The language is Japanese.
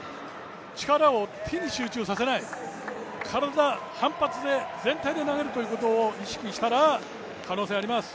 力を手に集中させない、体、反発で全体で投げることを意識したら、可能性はあります。